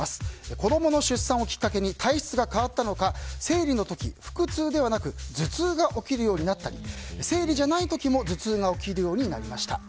子供の出産をきっかけに体質が変わったのか生理の時、腹痛ではなく頭痛が起きるようになったり生理じゃない時も頭痛が起きるようになりました。